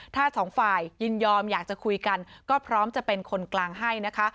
ถ้าสองฝ่ายยินยอมอยากจะคุยกันก็พร้อมจะเป็นคนกลางให้นะคะ